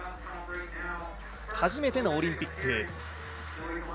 初めてのオリンピック。